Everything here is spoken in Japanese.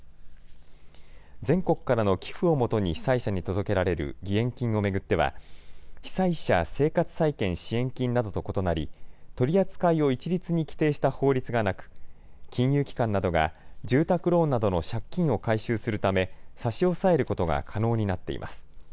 全国からの寄付をもとに被災者に届けられる義援金を巡っては被災者生活再建支援金などと異なり取り扱いを一律に規定した法律がなく金融機関などが住宅ローンなどの借金を回収するため差し押さえることが可能になっています。